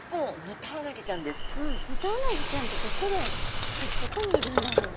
ヌタウナギちゃんってどこにいるんだろう？